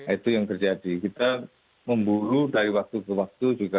itu yang terjadi kita memburu dari waktu ke waktu juga